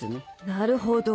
なるほど。